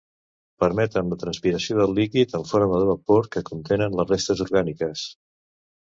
Permeten la transpiració del líquid en forma de vapor que contenen les restes orgàniques.